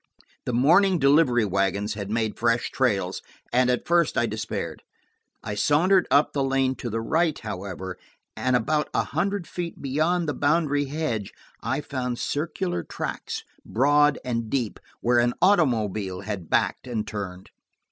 The morning delivery wagons had made fresh trails, and at first I despaired. I sauntered up the lane to the right, however, and about a hundred feet beyond the boundary hedge I found circular tracks, broad and deep, where an automobile had backed and turned.